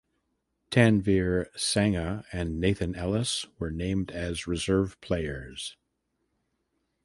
Tanveer Sangha and Nathan Ellis were named as reserve players.